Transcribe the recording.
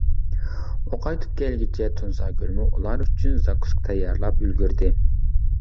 ئۇ قايتىپ كەلگۈچە تۇنساگۈلمۇ ئۇلار ئۈچۈن زاكۇسكا تەييارلاپ ئۈلگۈردى.